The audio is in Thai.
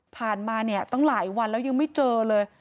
มาเนี่ยตั้งหลายวันแล้วยังไม่เจอเลย